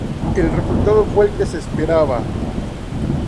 El resultado fue el que se esperaba.